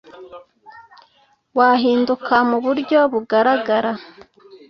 wahinduka mu buryo bugaragara